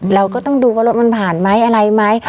เราก็ต้องดูว่ารถมันผ่านไหมอะไรไหม